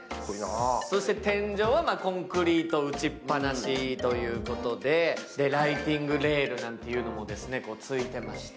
そして天井はコンクリート打ちっぱなしということで、ライティングレールもついていまして。